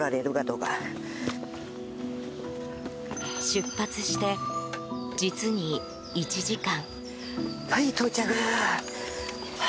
出発して実に１時間。